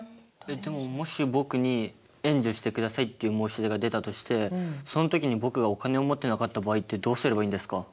でももし僕に「援助してください」っていう申し出が出たとしてその時に僕がお金を持ってなかった場合ってどうすればいいんですか？